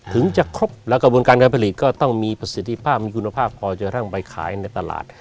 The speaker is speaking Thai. ถึงจะครบแล้วกระบวนการการผลิตก็ต้องมีประสิทธิภาพมีคุณภาพพอจะทั้งไปขายในตลาด